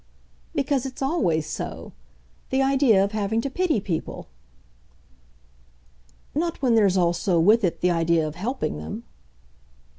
"Because it's always so the idea of having to pity people." "Not when there's also, with it, the idea of helping them."